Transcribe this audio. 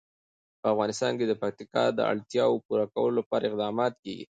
په افغانستان کې د پکتیکا د اړتیاوو پوره کولو لپاره اقدامات کېږي.